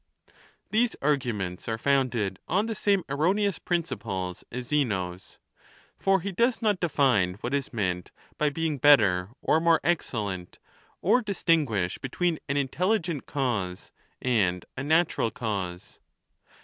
These arguments are founded on the same erroneous principles as Zeno's, for he does not define what is meant by being better or more excellent, or distinguish between an intelligent cause and a natural cause.